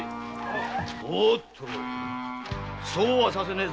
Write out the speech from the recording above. おっとそうはさせねえぞ。